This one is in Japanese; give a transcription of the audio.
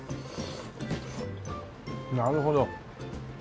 なるほど。